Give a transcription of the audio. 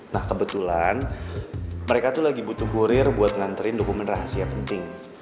nah kebetulan mereka tuh lagi butuh kurir buat nganterin dokumen rahasia penting